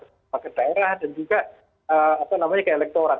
pada maka daerah dan juga apa namanya kayak elektorat